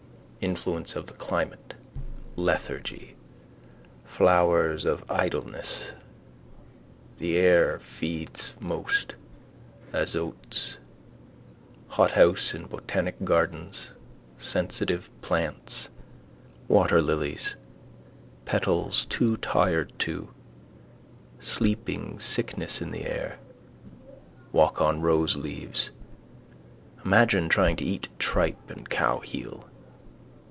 Influence of the climate. Lethargy. Flowers of idleness. The air feeds most. Azotes. Hothouse in Botanic gardens. Sensitive plants. Waterlilies. Petals too tired to. Sleeping sickness in the air. Walk on roseleaves. Imagine trying to eat tripe and cowheel.